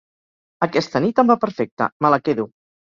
Aquesta nit em va perfecte; me la quedo.